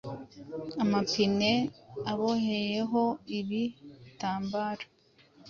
amapine aboheyeho ibi bitambaro